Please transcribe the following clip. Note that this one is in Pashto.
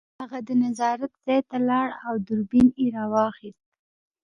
هغه د نظارت ځای ته لاړ او دوربین یې راواخیست